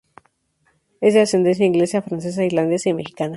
Es de ascendencia inglesa, francesa, irlandesa y mexicana.